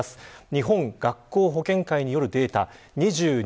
日本学校保健会によるデータ２２